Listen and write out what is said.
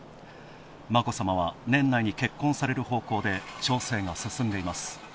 眞子さまは年内に結婚される方向で調整が進んでいます。